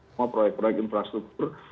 semua proyek proyek infrastruktur